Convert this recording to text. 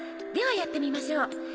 ではやってみましょう。